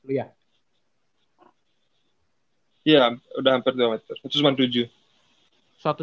iya udah hampir dua meter satu ratus sembilan puluh tujuh